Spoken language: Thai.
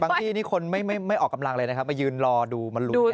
ที่นี่คนไม่ออกกำลังเลยนะครับมายืนรอดูมันรู้